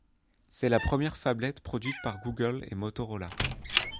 C'est la première phablette produite par Google et Motorola.